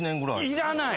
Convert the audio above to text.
いらない！